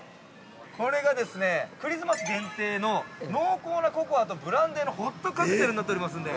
これがですね、クリスマス限定の濃厚なココアとブランデーのホットカクテルになっておりますので。